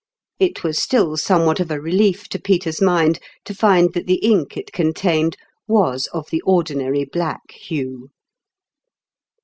It was still some what of a relief to Peter's mind to find that the ink it contained was of the ordinary black hue.